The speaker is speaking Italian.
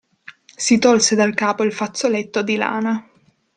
Si tolse dal capo il fazzoletto di lana.